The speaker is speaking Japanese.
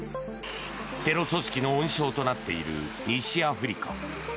テロ組織の温床となっている西アフリカ。